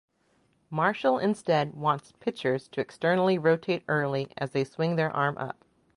Marshall instead wants pitchers to externally rotate early as they swing their arm up.